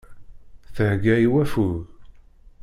Thegga i waffug.